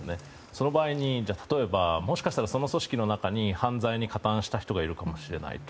その場合に例えばもしかすると、その組織の中に犯罪に加担した人がいるかもしれない。